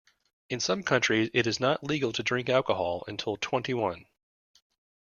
In some countries it is not legal to drink alcohol until twenty-one